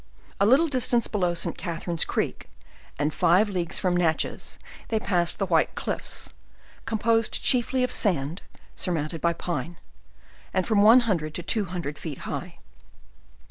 A little distance below St. Catharine's creek, and five leagues from Natchez, they passed the White Cliffs, composed chiefly of sand, surmoun* ted by pine, and from one hundred to two hundred feet high.